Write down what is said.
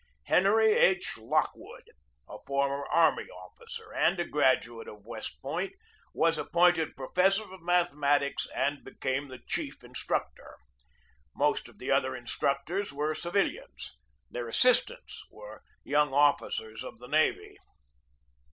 Henry H. Lockwood, a former army officer and a graduate of West Point, was appointed professor of mathematics and became the chief instructor. Most of the other instructors were civilians. Their assistants were young officers of the navy.